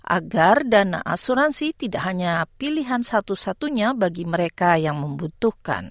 agar dana asuransi tidak hanya pilihan satu satunya bagi mereka yang membutuhkan